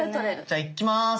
じゃあいきます！